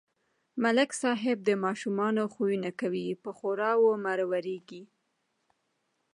ملک صاحب د ماشومانو خویونه کوي په ښوراو مرورېږي.